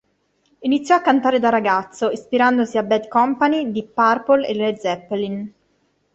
Iniziò a cantare da ragazzo, ispirandosi a Bad Company, Deep Purple e Led Zeppelin.